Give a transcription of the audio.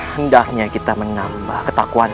hendaknya kita menambah ketakuan